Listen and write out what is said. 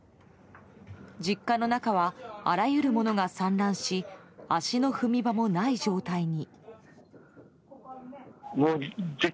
実家の中はあらゆる物が散乱し足の踏み場もない状態に。